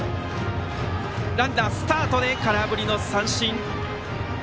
ランナー、スタートですが空振り三振。